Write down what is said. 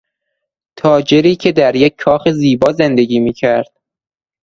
تاجری که در یک کاخ زیبا زندگی میکرد